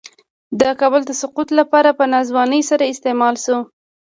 د کابل د سقوط لپاره په ناځوانۍ سره استعمال شو.